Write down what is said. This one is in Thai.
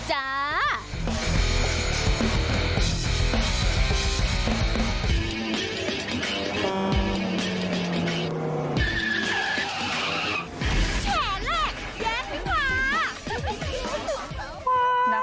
แชร์แหลกแยกดีกว่า